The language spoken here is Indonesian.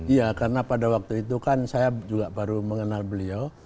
iya karena pada waktu itu kan saya juga baru mengenal beliau